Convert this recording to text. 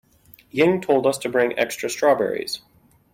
Ying told us to bring extra strawberries.